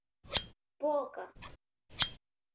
полка